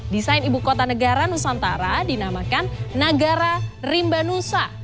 desain ibu kota negara nusantara dinamakan nagara rimbang nusa